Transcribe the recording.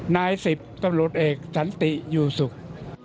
นายสิบตำรวจเอกสันติอยู่ศุกร์